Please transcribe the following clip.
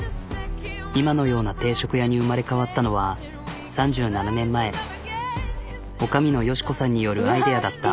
今のような定食屋に生まれ変わったのは３７年前。によるアイデアだった。